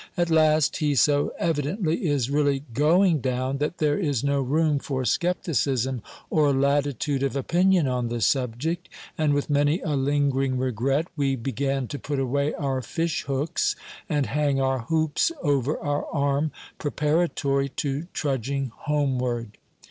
At last, he so evidently is really going down, that there is no room for scepticism or latitude of opinion on the subject; and with many a lingering regret, we began to put away our fish hooks, and hang our hoops over our arm, preparatory to trudging homeward.